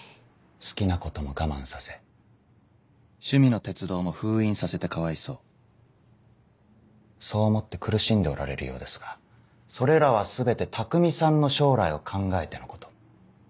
好きなことも我慢させ趣味の鉄道も封印させてかわいそうそう思って苦しんでおられるようですがそれらは全て匠さんの将来を考えてのこと。